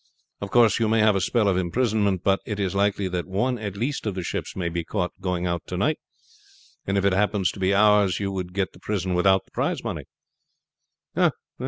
Of course you may have a spell of imprisonment; but it is likely that one at least of the ships may be caught going out to night, and if it happened to be ours you would get the prison without the prize money."